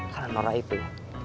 karena nora itu ya